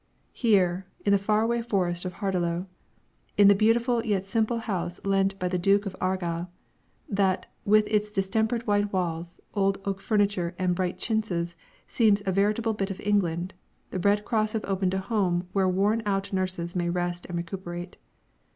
Here, in the far away forest of Hardelot, in the beautiful yet simple house lent by the Duke of Argyll, that, with its distempered white walls, old oak furniture and bright chintzes, seems a veritable bit of England, the Red Cross have opened a home where worn out nurses may rest and recuperate.